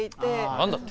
何だって。